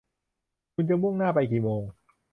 คุณจะมุ่งหน้าไปกี่โมง